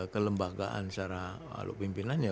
kelembagaan secara pimpinannya